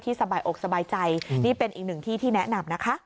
สบายอกสบายใจนี่เป็นอีกหนึ่งที่ที่แนะนำนะคะ